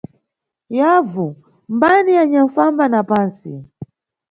Yavu, mbani anyanʼfamba na pantsi?